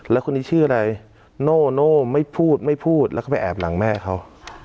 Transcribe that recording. แล้วคนนี้ชื่ออะไรโน่ไม่พูดไม่พูดแล้วก็ไปแอบหลังแม่เขา